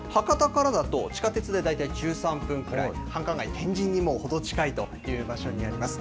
ここは博多からだと、地下鉄で大体１３分ぐらい、繁華街、天神にも程近いという場所にあります。